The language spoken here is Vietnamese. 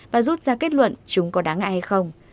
và rút ra kết luận chúng có đáng ngại hay không